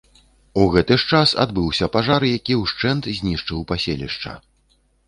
У гэты ж час адбыўся пажар, які ўшчэнт знішчыў паселішча.